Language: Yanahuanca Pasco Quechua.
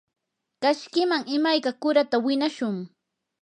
kashkiman imayka qurata winashun.